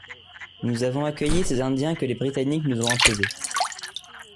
Nous avons accueilli ces indiens que les Britanniques nous ont imposés.